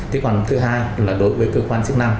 thứ hai là đối với cơ quan chức năng